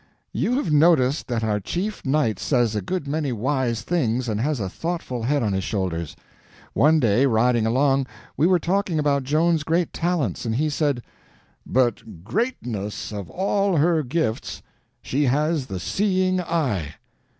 You have noticed that our chief knight says a good many wise things and has a thoughtful head on his shoulders. One day, riding along, we were talking about Joan's great talents, and he said, 'But, greatest of all her gifts, she has the seeing eye.'